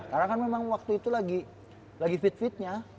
karena kan memang waktu itu lagi fit fitnya